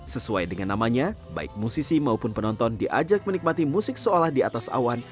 sesuai dengan namanya baik musisi maupun penonton diajak menikmati musik seolah di atas awan